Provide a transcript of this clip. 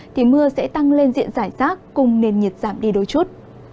thì mưa sẽ tăng lên diện giải rác cùng nền nhiệt giảm đi đôi chút